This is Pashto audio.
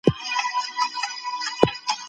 د توکو د تبادلې پر مهال کومې ستونزې شتون درلود؟